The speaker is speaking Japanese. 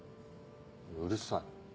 うるさい。